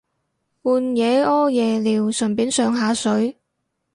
半夜屙夜尿順便上下水